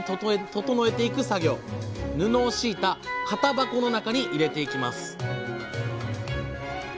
布を敷いた型箱の中に入れていきます